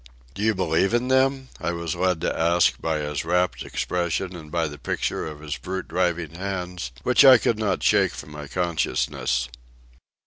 "Do you believe in them?" I was led to ask by his rapt expression and by the picture of his brute driving hands which I could not shake from my consciousness.